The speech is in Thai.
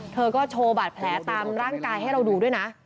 เธอก็โชว์บาดแผลตามร่างกายให้เราดูด้วยนะ